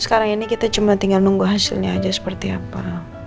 sekarang ini kita cuma tinggal nunggu hasilnya aja seperti apa